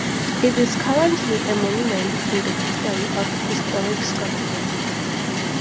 It is currently a monument in the custody of Historic Scotland.